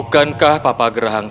bukankah papa gerhang